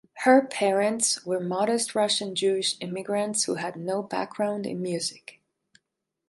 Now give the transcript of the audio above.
Her parents were modest Russian Jewish immigrants who had no background in music.